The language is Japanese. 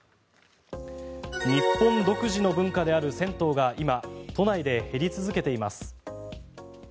日本独自の文化である銭湯が今、都内で減り続けています。